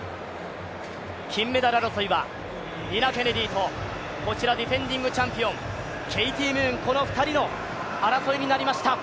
金メダル争いはニナ・ケネディとこちらディフェンディングチャンピオン、ケイティ・ムーン、この２人の争いになりました。